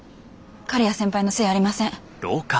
刈谷先輩のせいやありません。